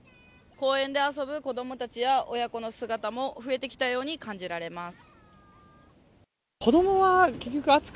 公園で遊ぶ子供たちや親子の姿も増えてきたように感じられます。